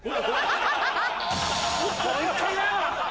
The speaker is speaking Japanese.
もう１回だ！